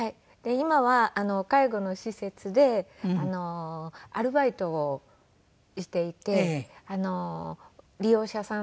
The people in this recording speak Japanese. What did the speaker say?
今は介護の施設でアルバイトをしていて利用者さん